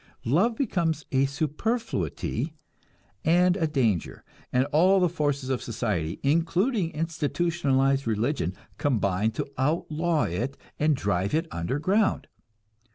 Love becomes a superfluity and a danger, and all the forces of society, including institutionalized religion, combine to outlaw it and drive it underground.